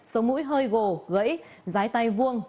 số mũi hơi gồ gãy giái tay vuông